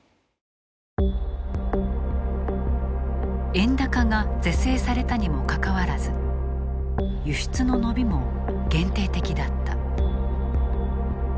円高が是正されたにもかかわらず輸出の伸びも限定的だった。